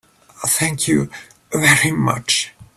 Thank you very much.